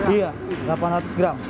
iya delapan ratus gram